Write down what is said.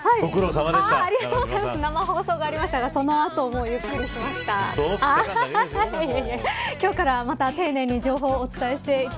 生放送がありましたがその後、ゆっくりしました。